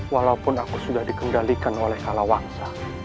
walaupun aku sudah dikendalikan oleh kalawangsa